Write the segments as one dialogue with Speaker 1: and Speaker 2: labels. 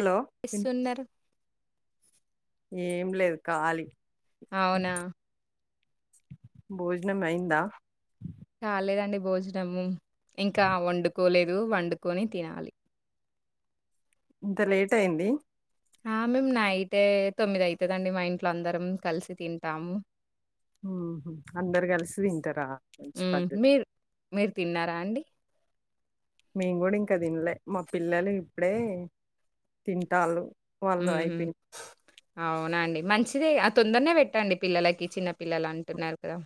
Speaker 1: Hello విన్
Speaker 2: సున్నారు
Speaker 1: ఏం లేదు ఖాలీ
Speaker 2: అవునా
Speaker 1: భోజనం అందా
Speaker 2: కాలేదండి భోజనము ఇంకా వండుకోలేదు వండుకొని తినాలి
Speaker 1: ఇంత లేట్ అయింది
Speaker 2: ఆ మేము నైటే తొమ్మిది అవుతుదండి మా ఇంట్లో అందరం కలిసి తింటాము
Speaker 1: అందరు కలిసి తింటారా మంచి
Speaker 2: హ్మ్.
Speaker 1: పద్ధతి
Speaker 2: మీరు మీరు తిన్నారా అండి
Speaker 1: మేము కూడా ఇంకా తినలే మా పిల్లలు ఇప్పుడే తింటారు
Speaker 2: ఉ అవునండి మంచి ే ఆ తొందరనే పెట్టండి పిల్లలకి చిన్న పిల్లలు అంటున్నారు కదా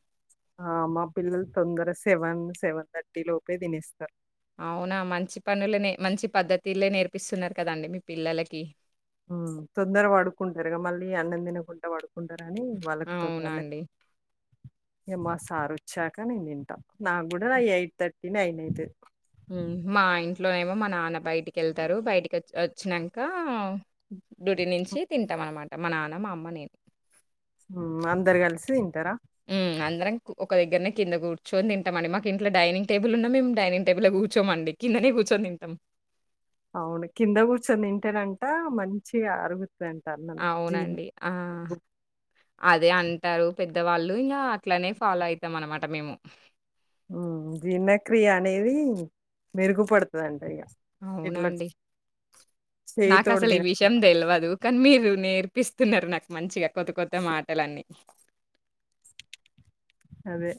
Speaker 1: ఆ మా పిల్లలు తొందర సెవెన్ సెవెన్ థర్టీ లోపే తినేస్తారు
Speaker 2: అవునా మంచి పనుల మంచి పద్ధతిలే నేర్పిస్తున్నారు కదండి మీ పిల్లలకి
Speaker 1: తొందరగా పడుక్కుంటారుగా మళ్ళీ అన్నం తినకుండా పడుకు కుంటారని వాళ్ళకు త
Speaker 2: అవునండి.
Speaker 1: ఏమ సార్ వచ్చాక నేను తంటాను నాకు కూడా ఎయిట్ థర్టీని అయినయితే
Speaker 2: మా ఇంట్లోనేమో మా నాన్న బయటికి వెళ్తారు బయటికి వచ్చినాక డూటి నుంచి తింటాం అనమాట మా నాన్న మా అమ్మ నేను
Speaker 1: అందరు కలిసి తింటారా
Speaker 2: అ ఒక దగ్గరనే కింద కూర్చోని తింటమం మా ఇంట్లో ైనింగ్ టేబుల్ ఉన్నా మేము డనింగ్ టేబుల్ కూర్చోమండి కింద అనే కూర్చొనింటాం
Speaker 1: అవును కింద కూర్చొని తంటేనంట మంచి ఆరుగు ఆ
Speaker 2: అదే అంటారు పెద్దవాళ్ళు ఇంకా అట్లనే ఫాలో అయితాం అనమాట మేము
Speaker 1: జీర్ణక్రియ అనేది మెరుగుపడుతుందింట ఇక
Speaker 2: అవునండి నాకు
Speaker 1: చేయితోటి
Speaker 2: అసలు ఈ
Speaker 1: తినడం
Speaker 2: విషయం తెలియదు కానీ మీరు నేను కినిపిస్తున్నారు నాకు మంచిగా కొత్త కొత్త మాటలన్నీ
Speaker 1: అదే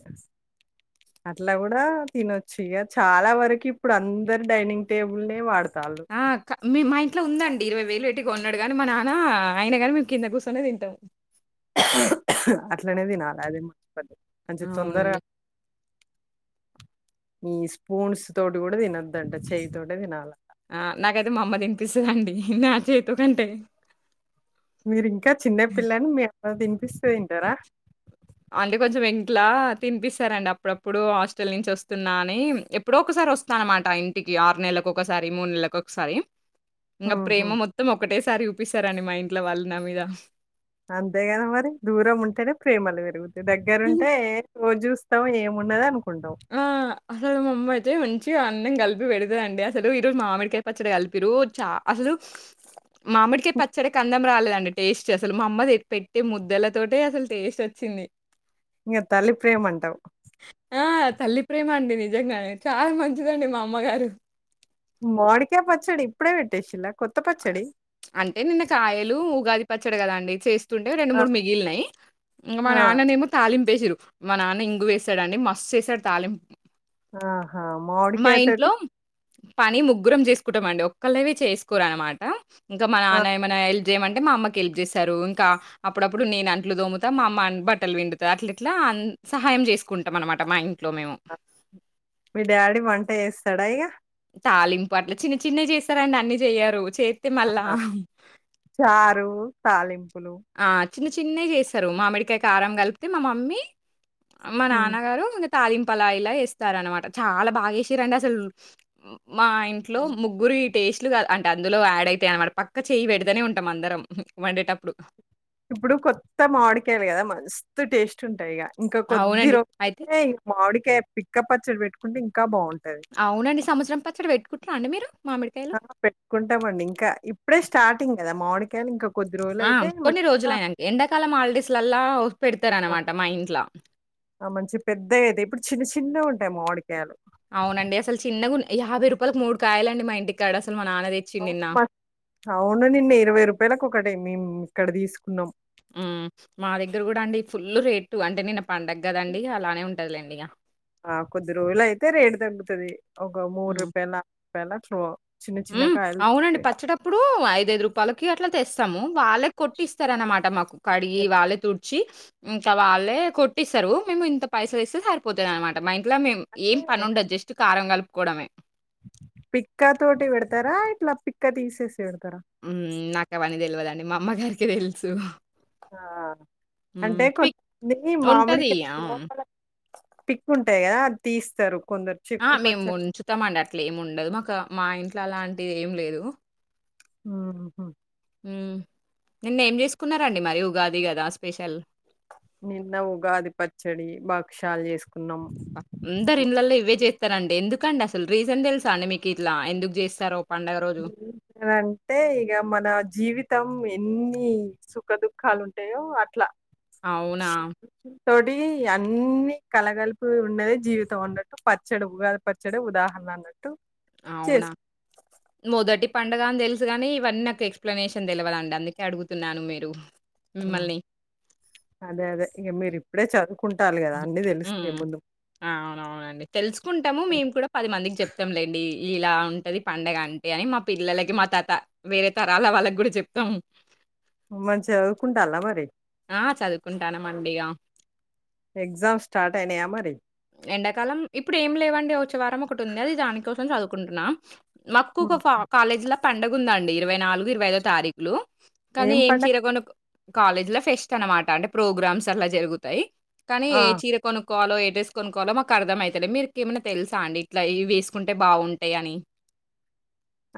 Speaker 1: అట్లా కూడా తినొచ్చు ఇక చాలా వరకు ఇప్పుడు అందరు డైనింగ్ టేబుల్ వాడుతు
Speaker 2: ఆ క మీ మా ఇంట్లో ఉందండ్ ఇరవై వేలు ఎట్టి కొన్నాడు గాని మా నాన్న ఆయినగాని మేము కింద కూర్చొనే తింటాంమ్
Speaker 1: అట్లనేది నాలదే మ [inaudible] మంచి తొందరా
Speaker 2: అవునండి.
Speaker 1: ఈ స్పూన్స్ తోటి కూడా తినోద్దంట చెయ్యి తోటే తినాలి
Speaker 2: ఆ నాకైతే మా అమ్మ తినిపిస్తుదండి నా చేతు కంటే
Speaker 1: మీరి ఇంకా చిన్నపిల్లని మేమ్ అ తినిపిస్తే తింటారా
Speaker 2: అంటే కొంచెం ఇంట్ల తినిపిస్తారండి అప్పుడు అప్పుడు హాస్టల్ నుంచి వస్తున్నా అని ఎప్పుడో ఒకసారి రోస్తాన్ అన్ మాట ఇంటికి ఆరు నెల్లకు ఒకసారి మూడు నెల్లకు ఒక్ సారి ఇంకా
Speaker 1: హుహు.
Speaker 2: ప్రేమ మొత్తం ఒకటేసారి చూపిస్తారండి మా ఇంట్లో వాళ్ళు నా మీద
Speaker 1: అంతేగాని మరి దూరం ఉంటేనే ప్రేమలు పెరుగుతాయి దగ్గర ఉంటే ఓ జూస్తావ ఏమున్నద అను
Speaker 2: ఆ అసలు మా అమ్మ అయితే [inaudible] చూ అన్నం కలిపి పెడ్ తా అండి అసలు ఈ రోజు మామిడికాయ పచ్చడి కలిపిరు చ అసలు మామిడికయ్ పచ్చడి కన్నాం రాలేదండి టేస్ట్ అసలు మా అమ్మ పెట్టే ముద్దలతోటే అసలు టేస్ట్ వచ్చింది
Speaker 1: ఇగ తల్లి ప్రేమంట అవు
Speaker 2: ఆ! తల్లి ప్రేమ అండి నిజంగానే చాలా మంచిదండి మా అమ్మగారు
Speaker 1: మాడి కాయ్ పచ్చడి ఇప్పుడే వేట్టేసిండా
Speaker 2: అంటే నిన్న కాయలు ఉగాది పచ్చడి కద అండి చేసే తుండే రెండు
Speaker 1: ఆ!
Speaker 2: మూడు మిగిల్నాయి ఇగ మా
Speaker 1: ఆ!
Speaker 2: నాన్న నేమో తాలిం ప్ వేసిర్రు మా నాన్న ఇంగువ వేస్తాడఅండి మస్తు చేస్తాడు తాలింపు
Speaker 1: ఆహా మౌడ్
Speaker 2: మా
Speaker 1: కాయ తోటి
Speaker 2: ఇంట్లో పని ముగ్గురం చేసుకుంటాం అండి ఒక్కళ్ళవి చేసుకోరు అనమాట ఇంకా మ
Speaker 1: ఆహా!
Speaker 2: నాన్న ఏమైనా హెల్ప్ చేయమంటే మా అమ్మకి హెల్ప్ చేస్తారు ఇంకా అప్పుడు అప్పుడు నేను అంట్లు తొముతా మా అమ్మ బట్టలు విండుతా అట్లా ఎట్లా అన్ సహాయం చేసుకుంటాం అన్ మాట మా యిన్
Speaker 1: మీ డాడీ వంట చేస్తాడా అయ్యా
Speaker 2: తాలింప్ అట్ల చిన్న చిన్నవి చేస్తారండి అన్ని చెయ్యారు
Speaker 1: ఆ హ చారు తాలింపులు
Speaker 2: ఆ! చిన్న చిన్నయి చేస్తారు మామిడికాయ కారం కలిపితే మా మమ్మీ మా
Speaker 1: హ్మ్.
Speaker 2: నాన్నగారు ఇంగ తాలింప్ అలా ఎలా వేస్తార అనమాట చాలా బాగా ఏసి రండ్ అసలు మా ఇంట్లో
Speaker 1: అవును.
Speaker 2: ముగ్గురు ఇ టేస్ట్లు కాదు అంటే అందులో యాడ్ అయితాయి అనమాట పక్క చేయి పెడతనే ఉంటాం అందరం వండేటప్పుడు
Speaker 1: ఇప్పుడు కొత్త మామిడికాయలు కదా మస్తు టేస్ట్ ఉంటాయి ఇగా ఇంకా కొద్ది రోజు [inaudible] అయితే ఈ మామిడిక పిక్క పచ్చడి పెట్టుకుంటే ఇంకా బాగుంట
Speaker 2: అవునఅండి సంవత్సరం పచ్చడి పెట్టుకుంటున్నార అండి మీరు మామిడి
Speaker 1: [inaudible] పెట్టుకుంటామండి ఇంకా ఇప్పుడే స్టార్టింగ్ కదా మామిడి
Speaker 2: ఆ కొన్ని రోజులుయనాక ఎండాకాలం హాల్డేస్ల అల్లా పెడ్తార్ అన్ మాట మా ఇంట్ల
Speaker 1: ఆ మంచి పెద్ద అయేతే ఇప్పుడు చిన్న చిన్నవి ఉంటాయి మాోడికాయలు
Speaker 2: అవున అండి అసలు చిన్నగా యాభై రూపాయలకు మూడు కాయాలండి మా ఇంటి కాడ అస
Speaker 1: అమ మన్ అవును అండి మీరు ఇరవై రూపాయలకు ఒకటే మేమ్ ఇక్కడ తీసుకున్నాం
Speaker 2: అ మా దగ్గర కూడా అండి ఫుల్ రేటు అంటే నిన్న పండగ్ కదండి అలానే ఉంటా ఉంటద్ లేండి ఇగా
Speaker 1: ఆ కొద్ది రోజులు అయితే రేటు తగ్గుతది ఒక మూడు
Speaker 2: హ్మ్.
Speaker 1: రూపాయల [inaudible] రూపాయల చో చిన్న చిన్న గా
Speaker 2: అవున అండి పచ్చడ అప్పుడు ఐద్ఐదు రూపాయలకి అట్లా తెస్తాము వాళ్ళకి కొట్టి ఇస్తార్ అన్నమాట మాకు కట్ వీ వాళ్ళకు తుడ్ చి ఇంక వాళ్ళే కొట్టిస్తారు మేము ఇంత పైసలు ఇస్తే సరిపోతద్ అనమాట మా ఇ ఇట్లా మేం ఏం పని ఉండదు జెస్ట్ కారం కలుపుకోవడమే
Speaker 1: పిక్కా తోటి పెడతారా ఇట్లా పిక్కా తీసేసి పెడతారా?
Speaker 2: నాకు అవన్నీ తెల్ వదండి మా అమ్మగారికి తెలుసు
Speaker 1: ఆ
Speaker 2: హ్మ్.
Speaker 1: అంటే
Speaker 2: పిక్
Speaker 1: కొంతమంది
Speaker 2: ఉంటది.
Speaker 1: మామిడికాయ
Speaker 2: ఆ!
Speaker 1: లోపల పిక్కుంటాయి కదా అది తీస్తారు కొందరు
Speaker 2: ఆ
Speaker 1: చెక్కు
Speaker 2: మేము
Speaker 1: పచ్చడి
Speaker 2: ఉంచుతామండి అట్లా ఏమి ఉండదు మాకు మా ఇంట్ల అలాంటిది ఏం లేదు
Speaker 1: ఆహ
Speaker 2: నిన్న ఏం చేసుకున్నరండి మరి ఉగాది కదా స్పెషల్
Speaker 1: నిన్న ఉగాది పచ్చడి బాక్షాలు చేసుకు
Speaker 2: అందరి ఇండ్లలో ఇవే జెస్ తరండి ఎందుకండి అసలు రీజన్ తెలుసా అండి మీకు ఇట్లా ఎందుకు జేస్తారో
Speaker 1: ఏంటి దాంటే ఇగ మన జీవి తం ఎన్ని సుఖ దుఃఖాలు ఉంటాయో అట్లా
Speaker 2: అవునా
Speaker 1: తోటి అన్ని కలగలిపి ఉన్నదే జీవితం అన్నట్టు పచ్చడి ఉగాది పచ్చడే ఉదాహరణ అన్నట్టు
Speaker 2: అవునా
Speaker 1: చేసు
Speaker 2: మొదటి పండుగ అని తెలుసు గాని ఇవన్నీ నాకు ఎక్స్ప్లనేషన్ తెలియదండి అందుకే అడుగుతున్నాను మీరు మిమ్మల్ని.
Speaker 1: అదే అదే ఇగ మీరిప్పుడే చదు వాలి కదా అన్నీ తెలిస్తే
Speaker 2: హ్మ్.
Speaker 1: ముందు
Speaker 2: ఆ అవునవునండి తెలుసుకుంటాము మేము కూడా పది మందికి చెప్తాంలేండి ఇలా ఉంటది పండగ అంటే అని మా పిల్లలకి మా తత వేరే తరాల వాళ్ళకి కూడా చెప్తాము
Speaker 1: మంచిగా చదువుకుంటల్ల మరి
Speaker 2: ఆ చదువుకుంటానమండిగా
Speaker 1: ఎగ్జామ్స్ స్టార్ట్ అయినయా మరి?
Speaker 2: ఎండాకాలం ఇప్పుడు ఏం లేవండి వచ్చే వారం ఒకటి ఉంది అది దాని కోసం చదువుకుంటున్నా మాకు ఒక
Speaker 1: హుహు.
Speaker 2: కాలేజీల పండుగ ఉందండి ఇరవై నాలుగు ఇరవై ఐదో తారీఖులు కానీ ఏం చీర కొను కాలేజ్ ల ఫెస్ట్ అనమాట అంటే ప్రోగ్రామ్స్ అట్లా జరుగుతాయి కానీ
Speaker 1: ఆ!
Speaker 2: ఏ చీర కొను కోవాలో ఎ డ్రెస్ కోనుకోవాలో మాకు అర్ధంమైతలే మీరుకు ఏమన్నా తెలుసా అండి ఇట్లా ఇవి ఏసుకుంటే బాగుంటాయి అని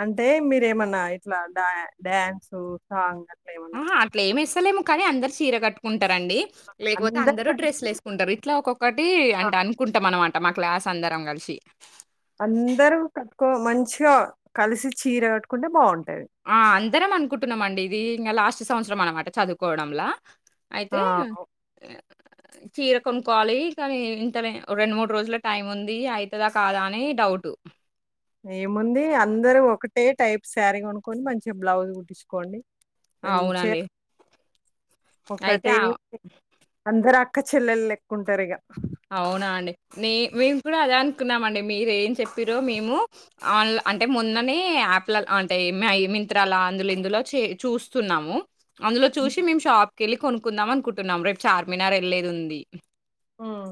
Speaker 1: అంటే మీరేమన్నా ఇట్లా డ్యా డ్యాన్సు సాంగ్ ఆ
Speaker 2: ఆహా అట్ల ఏం ఏస్తలేము కానీ అందరు చీర కట్టుకుం టరండి లేకపోతే అందరు డ్రెస్లు ఏసుకుంటరు ఇట్లా ఒక్కొక్కటి
Speaker 1: ఆ!
Speaker 2: అంటె అనుకుంటాం అన్మా ట మా క్లాస్ అందరం కలిసి
Speaker 1: కో మంచిగా కలిసి చీర కట్టుకుంటే బాగుం
Speaker 2: ఆ అందరం అనుకుంటున్నాం అండి ఇది ఇంకా లాస్ట్ సంవత్సరం అనమాట చదువుకోవడంలా అయితే
Speaker 1: ఆ!
Speaker 2: చీర కొనుక్కోవాలి కానీ ఇంత రెండు మూడు రోజుల టైం ఉంది అయితదా కాదా అని డౌట్
Speaker 1: ఏముంది అందరు ఒకటే టైప్ సారీ కొనుకోని మంచిగా బ్లౌజ్ కుట్టించుకోండి
Speaker 2: అవునండి అయితే
Speaker 1: ఒకటె
Speaker 2: ఆహ్,
Speaker 1: అందరు అక్క చెల్లె లెక్కుంటారు ఇగ
Speaker 2: అవునా అండి నే మేము కూడా అదే అనుకున్నామండి మీరు ఏం చెప్పిరో మేము ఆన్ల అంటే మొన్ననే యాప్ల అంటే మై మింట్రాల అందులో ఇందులో చూస్తున్నాము అందులో చూసి మేము షాప్ కేళ్ళి కొనుక్కుందాం అనుకుంటున్నాం రేపు చార్మినార్ యెల్లేది ఉంది
Speaker 1: హ్మ్.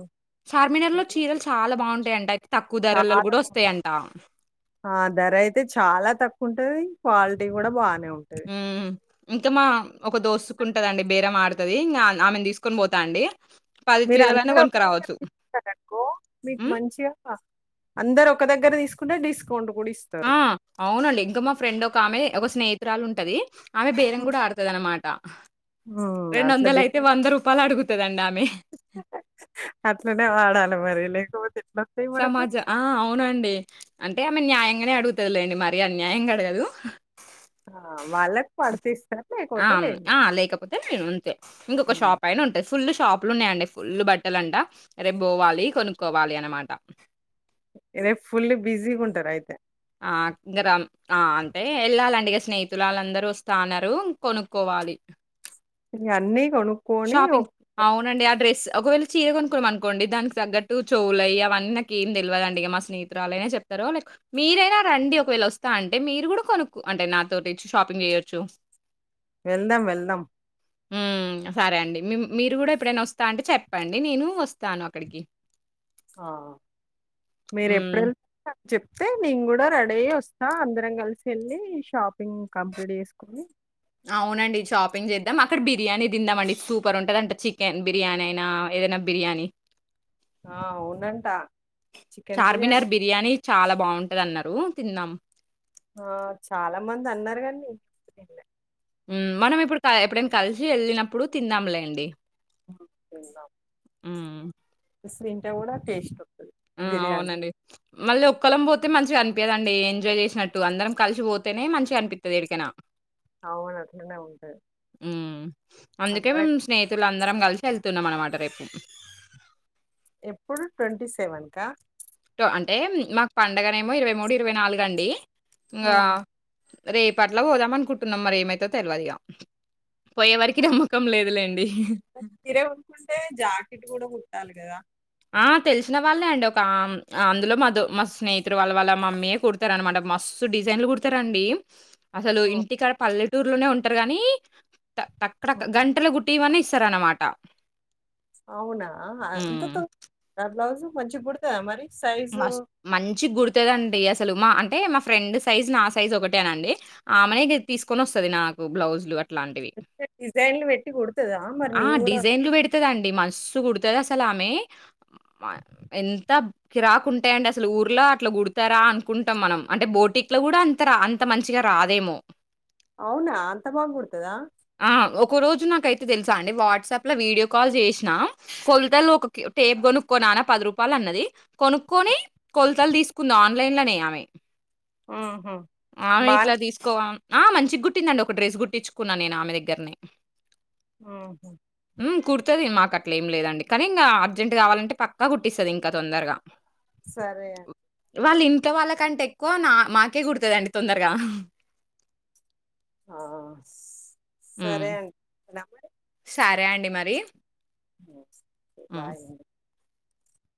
Speaker 2: చార్మినార్ లో చీరలు చాలా బాగుంటాయి అంట అయితే తక్కువ
Speaker 1: చాలా
Speaker 2: ధరలలో గూడా
Speaker 1: బాగుం
Speaker 2: ఒస్తాయంట.
Speaker 1: ఆ ధర అయితే చాలా తక్కువ ఉంటది క్వాలిటీ కూడా బాగానే ఉం
Speaker 2: ఉ ఇంకా మా ఒక దోస్తుకుంటదండి బేరం ఆడుతది ఇంగా ఆమెని తీసుకొని పోతా అండి
Speaker 1: మీరు
Speaker 2: చీరలైనా
Speaker 1: అందరు ఒకటె చెప్
Speaker 2: కొనుక్కరావచ్చు.
Speaker 1: తీసుకున్నరనుకో మీకు
Speaker 2: హ్మ్.
Speaker 1: మంచిగా అందరు ఒ ఒక దగ్గర తీసుకుంతే డిస్క్
Speaker 2: ఆ అవునండి ఇంకా మా ఫ్రెండ్ ఒక ఆమె ఒక స్నేహితురాలు ఉంటది ఆమె బేరం కూడా ఆడుతది అన్నమాట.
Speaker 1: ఉమ్
Speaker 2: రెండు
Speaker 1: అట్లా
Speaker 2: వందల
Speaker 1: బిల్డ
Speaker 2: అయితే, వంద రూపాయలు అడుగుతుదండి ఆమె.
Speaker 1: అట్లనే వాడాల మరి లేక పోతే
Speaker 2: సమాజ ఆ అవునండి అంటే న్యాయంగానే అడుగుతదిలేండి. మరి అన్యాయంగ అడగదు.
Speaker 1: ఆ వాళ్ళకు తీస్
Speaker 2: అ ఆ లేకపోతే నేను ఉంటే ఇంకొక
Speaker 1: ఉమ్.
Speaker 2: షాప్ అయినా ఉంటాయి. ఫుల్ షాప్లు ఉన్నాయండి. ఫుల్ బట్టల అంట రేపు పోవాలి. కొనుక్కోవాలి అనమాట.
Speaker 1: రేపు ఫుల్ బిజీగా ఉంటరు అయితే
Speaker 2: ఆ ఇంగ రం ఆ అంటే ఏళ్ళాలండి ఇగ స్నేహితులు ఆళ్ళందరూ వస్తా అన్నారు కొనుక్కోవా పాలి
Speaker 1: అన్నీ కొనుక్కొని
Speaker 2: షాపింగ్
Speaker 1: ఒక్-
Speaker 2: అవునండి అడ్రెస్ ఒకవేళ చీర కొనుక్కున్నాం అనుకోండి దానికి తగ్గట్టు చోళయ్ అవన్ నాకు ఏం తెల్వద అండి మా స్నేహితురాలె చెప్ లైక్ మీరైనా రండి. ఒకవేళ వస్తా అంటే మీరు కూడా కొనుకు అంటే నాతోటి షాపింగ్ చేయొచ్చు.
Speaker 1: వెళ్దాం వెళ్దాం
Speaker 2: ఉమ్ సరే అండి మీరు కూడా ఎప్పుడైనా వస్తా అంటే చెప్పండి నేను వస్తాను అక్కడికి
Speaker 1: ఆ మీరు ఎప్పుడు
Speaker 2: హ్మ్.
Speaker 1: వెళ్తే చెప్తే నేను కూడా రెడీ అయి వస్తా. అందరం కలిసి వెళ్ళి షాపింగ్ కంప్లీట్ చేసుకొని
Speaker 2: అవునండి షాపింగ్ చేద్దాం. అక్కడ బిర్యానీ తిందాం అండి. సూపర్ ఉంటది అంట చికెన్ బిర్యానీ అయినా ఏదైనా బిర్యానీ
Speaker 1: ఆ, అవునంట
Speaker 2: చార్మినార్ బిర్యానీ చాలా బాగుంటది అన్నారు ఉ తిన్నాం
Speaker 1: ఆ చాలా మంది అన్నారు కాని
Speaker 2: ఉమ్ మనం ఇప్పుడు ఎప్పుడైనా కలిసి వెళ్ళినప్పుడు తిందాంలేండి
Speaker 1: తిందాం
Speaker 2: హ్మ్.
Speaker 1: తింటే కూడా టేస్ట్ వస్తది
Speaker 2: ఉ
Speaker 1: బిర్యానీ
Speaker 2: అవునన్ మళ్ళీ ఒక్కళ్ళం పోతే మంచిగా అనిపియ్యదండి. ఎంజాయ్ చేసినట్టు అందరం కలిసి పోతేనే మంచిగా అనిపిత్తది ఏడికైనా.
Speaker 1: అవును అట్లనే ఉంటది
Speaker 2: ఉమ్ అందుకే
Speaker 1: అందర
Speaker 2: మేము స్నేహితులు అందరం కలిసి వెళ్తున్నాం అనమాట రేపు
Speaker 1: ఎప్పుడు ట్వంటీ సెవెన్కా
Speaker 2: టో అంటే మాకు పండగనే ఏమో ఇరవై మూడు ఇరవై నాలుగండి ఇంకా రేపట్ల పోదాం అనుకుంటున్నాం. మరి ఏమైతదో తెల్వదిగా పోయే వారికి నమ్మకం లేదులేండి.
Speaker 1: ఇడే కుట్టుకుంటే జాకెట్ కూడా కుట్టాలి కదా
Speaker 2: ఆ తెలిసిన వాళ్ళే అండి. ఒక అందులో మధు మా స్నేహితుడు వాళ్ళ వాళ్ళ మమ్మీయే కుడతారంట. మస్ స్ డిజైన్లు కుడతారండి అసలు
Speaker 1: ఉమ్,
Speaker 2: ఇంటికాడ పల్లెటూరులోనే ఉంటరు గాని తక్కడ
Speaker 1: ఉమ్.
Speaker 2: గంటలో కు ఇవ్వనీ ఇస్తారనమాట
Speaker 1: అవునా అంత
Speaker 2: హ్మ్.
Speaker 1: బ్లౌజు మంచిగ కుడతా మరి సైజు
Speaker 2: మస్ మంచిగ కుడుతదండి ఎస్ అసలు మా అంటే మా ఫ్రెండ్ సైజ్ నా సైజ్ ఒకటేనండి. ఆమెనే తీసుకొని వస్తది నాకు బ్లౌజ్లు అలాంటివి
Speaker 1: డిజైన్లు పెట్టి కుడుతదా మరి
Speaker 2: ఆ
Speaker 1: నేను కూడా
Speaker 2: డిజైన్లు పెడుతుదండి మసు కుడుతు అసలామె ఎంత రాకుంటాయి అండి అసలు ఊర్లో అట్లా కుడతారా అనుకుంటాం. మనం అంటే బోటిక్ లో కూడా అంతరా అంత మంచిగా రాదేమో
Speaker 1: అవునా అంత బాగకుడుతదా
Speaker 2: ఆ ఒక రోజు నాకైతే తెలుసా అండి వాట్సాప్ లో వీడియో కాల్ చేసినా కొలతలు ఒక టేప్ కొనుక్కో నానా పది రూపాయలు అన్నది. కొనుక్కొని కొలతలు తీసుకుంద ఆన్లైన్ లోనే ఆమె
Speaker 1: ఉహు
Speaker 2: ఆమె
Speaker 1: బానే
Speaker 2: ఇట్లా తీసుకోవాం ఆ మంచి గుట్టిందంట ఒక డ్రెస్ గుట్టించుకున్నా నేను ఆమె దగ్గరనే
Speaker 1: ఉమ్
Speaker 2: ఉమ్ కుడుతది మాకు అట్లా ఏం లేదండి కానీ ఇంకా అర్జెంట్ కావాలంటే పక్కా కుట్టిస్తది ఇంకా తొందరగా
Speaker 1: సరే అం
Speaker 2: వాళ్ళ ఇంట్లో వాళ్ళకంటే ఎక్కువ నా మాకే కుడుతదండి తొందరగా
Speaker 1: ఆ
Speaker 2: హ్మ్.
Speaker 1: సరే అండి ఉందునా మరి
Speaker 2: సరే అండి మరి
Speaker 1: ఉమ్
Speaker 2: హ్మ్.
Speaker 1: బాయ్ అండి